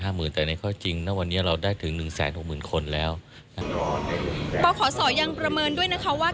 เป้าขอสอยังประเมินด้วยนะคะว่า